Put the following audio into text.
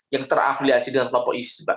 yang terafiliasi dengan kelompok isbak